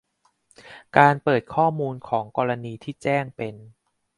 การเปิดข้อมูลของกรณีที่แจ้งเป็น